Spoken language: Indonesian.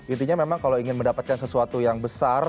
intinya memang kalau ingin mendapatkan sesuatu yang besar